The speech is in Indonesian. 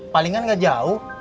palingan gak jauh